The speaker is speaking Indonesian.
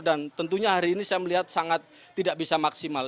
dan tentunya hari ini saya melihat sangat tidak bisa maksimal